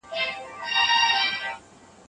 که ښځو ته درناوی وشي نو کینه نه پیدا کیږي.